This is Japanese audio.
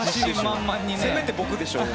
せめて僕でしょ。